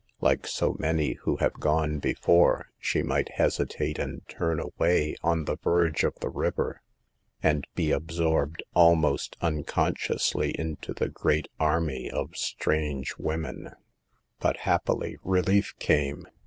Like so many who have gone before, she might hesitate and turn away on the verge of the river, and be ab sorbed, almost unconsciously, into the great army of strange women. But, happily, relief came.